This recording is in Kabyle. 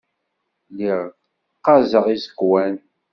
Lliɣ ɣɣazeɣ iẓekwan.